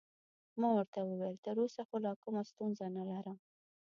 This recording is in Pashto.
ما ورته وویل: تراوسه خو لا کومه ستونزه نلرم.